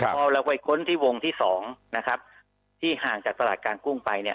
พอเราไปค้นที่วงที่สองนะครับที่ห่างจากตลาดกลางกุ้งไปเนี่ย